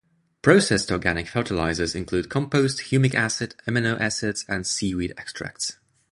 "Processed" organic fertilizers include compost, humic acid, amino acids, and seaweed extracts.